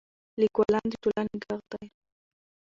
لیکوالان د ټولنې ږغ دي.